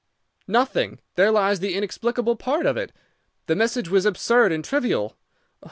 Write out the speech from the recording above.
"'Nothing. There lies the inexplicable part of it. The message was absurd and trivial.